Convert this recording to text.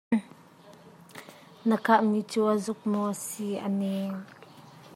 Na kah mi cu a zuk maw a si a neng?